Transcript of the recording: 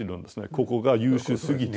ここが優秀すぎて。